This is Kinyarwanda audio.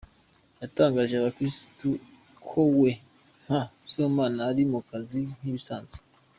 Yatangarije abakristo ko we nka Sibomana ari mu kazi nk'ibisanzwe.